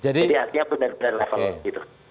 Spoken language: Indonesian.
jadi artinya benar benar level gitu